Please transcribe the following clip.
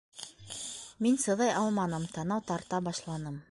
Мин сыҙай алманым, танау тарта башланым.